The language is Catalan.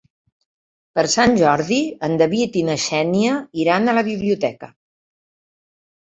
Per Sant Jordi en David i na Xènia iran a la biblioteca.